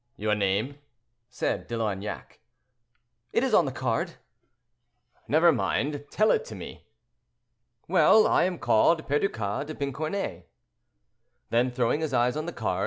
"Your name?" said De Loignac. "It is on the card." "Never mind; tell it to me." "Well, I am called Perducas de Pincornay." Then, throwing his eyes on the card.